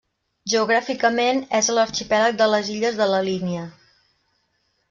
Geogràficament és a l'arxipèlag de les illes de la Línia.